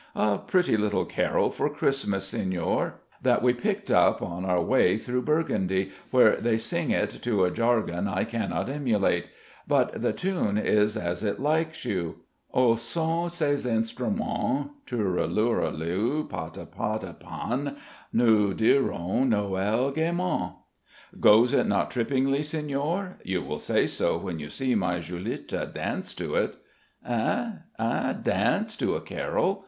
"A pretty little carol for Christmas, Signore, that we picked up on our way through Burgundy, where they sing it to a jargon I cannot emulate. But the tune is as it likes you Au son ces instruments Turelurelu, patapatapan Nous dirons Noël gaîment! Goes it not trippingly, Signore? You will say so when you see my Julitta dance to it." "Eh eh? Dance to a carol?"